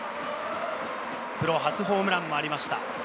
プロ初ホームランもありました。